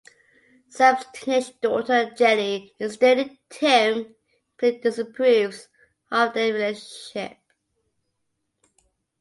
Sam's teenaged daughter, Jenny, is dating Tim, but he disapproves of their relationship.